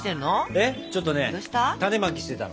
ちょっとね種まきしてた。